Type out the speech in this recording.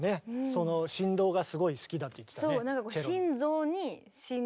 その振動がすごい好きだって言ってたね。